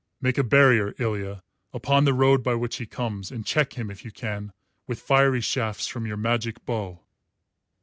Make a barrier, Ilya, upon the road by which he comes, and check him, if you can, with fiery shafts from your magic bow."